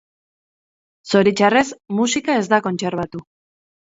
Zoritxarrez, musika ez da kontserbatu.